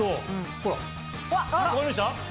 ほら分かりました？